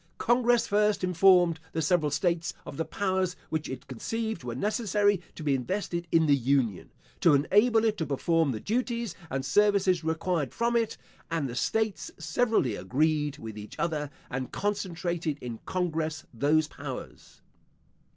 Congress first informed the several states, of the powers which it conceived were necessary to be invested in the union, to enable it to perform the duties and services required from it; and the states severally agreed with each other, and concentrated in congress those powers.